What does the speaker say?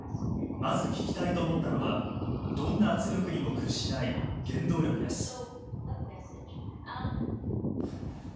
まず聞きたいと思ったのはどんな圧力にも屈しない原動力です。